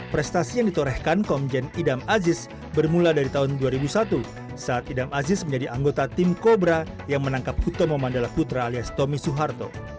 prestasi yang ditorehkan komjen idam aziz bermula dari tahun dua ribu satu saat idam aziz menjadi anggota tim kobra yang menangkap kutomo mandala putra alias tommy suharto